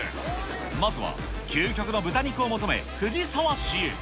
まずは究極の豚肉を求め、藤沢市へ。